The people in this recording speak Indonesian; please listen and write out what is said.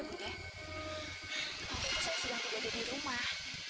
mungkin dia sudah tidak ada di rumah